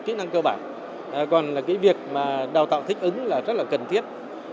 kỹ năng cơ bản còn là cái việc mà đào tạo thích ứng là rất là cần thiết